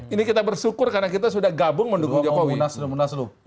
ini kita bersyukur karena kita sudah gabung mendukung jokowi